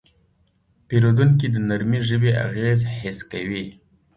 پیرودونکی د نرمې ژبې اغېز حس کوي.